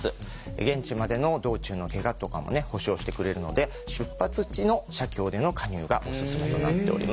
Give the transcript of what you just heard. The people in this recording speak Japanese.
現地までの道中のけがとかもね補償してくれるので出発地の社協での加入がオススメとなっております。